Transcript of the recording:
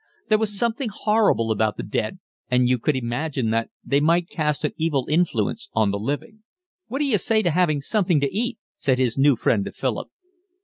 There was something horrible about the dead, and you could imagine that they might cast an evil influence on the living. "What d'you say to having something to eat?" said his new friend to Philip.